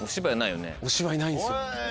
お芝居ないんですよ。